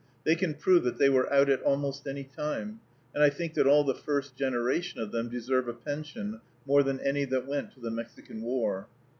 They can prove that they were out at almost any time; and I think that all the first generation of them deserve a pension more than any that went to the Mexican war.